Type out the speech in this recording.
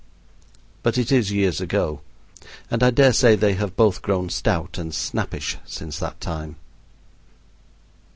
But it is years ago, and I dare say they have both grown stout and snappish since that time.